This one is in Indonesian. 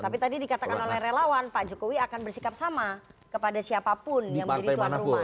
tapi tadi dikatakan oleh relawan pak jokowi akan bersikap sama kepada siapapun yang menjadi tuan rumah